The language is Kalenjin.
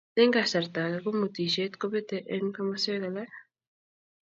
Eng kasarta age komutisiet kobete eng komaswek alak.